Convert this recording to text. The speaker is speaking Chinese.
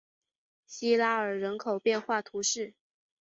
西拉尔人口变化图示